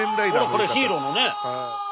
これヒーローのね。